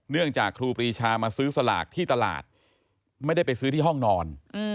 จากครูปรีชามาซื้อสลากที่ตลาดไม่ได้ไปซื้อที่ห้องนอน